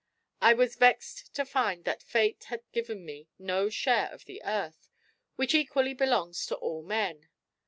I was vexed to find that fate had given me no share of the earth, which equally belongs to all men.